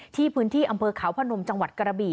ที่พื้นที่อำเภอเขาพนมจังหวัดกระบี่